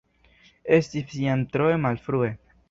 Estis jam tro malfrue.